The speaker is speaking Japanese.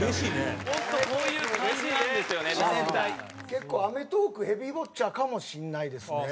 結構『アメトーーク』ヘビーウォッチャーかもしれないですね。